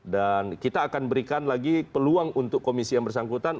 dan kita akan berikan lagi peluang untuk komisi yang bersangkutan